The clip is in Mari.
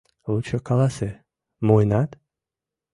— Лучо каласе: муынат?